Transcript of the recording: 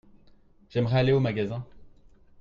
J'aimerais aller au magasin.